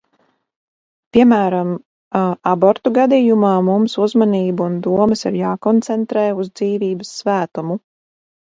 Piemēram, abortu gadījumā mums uzmanība un domas ir jākoncentrē uz dzīvības svētumu.